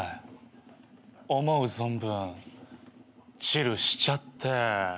思う存分チルしちゃって。